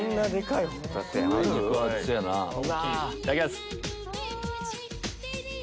いただきます。